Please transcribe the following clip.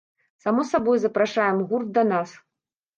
Само сабой, запрашаем гурт да нас.